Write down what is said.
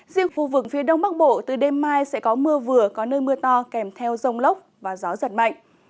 riêng khu vực phía đông bắc bộ từ đêm mai sẽ có mưa vừa có nơi mưa to kèm theo rông lốc và gió giật mạnh